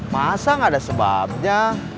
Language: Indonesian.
masa gak ada sebabnya